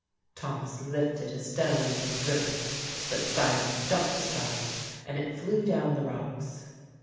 Thomas lifted a stone and threw it, but Silas jumped aside and it flew down the rocks.